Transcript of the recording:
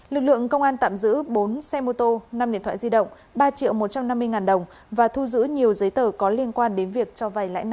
lực lượng công an tạm giữ bốn xe mô tô năm điện thoại di động ba triệu một trăm năm mươi ngàn đồng và thu giữ nhiều giấy tờ có liên quan đến việc cho vay lãi nặng